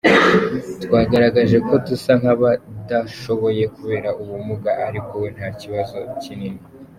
twagaragaje ko dusa nkabadashoboye kubera ubumuga, ariko we nta kibazo kinini.